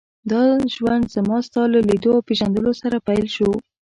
دا ژوند زما ستا له لیدو او پېژندلو سره پیل شو.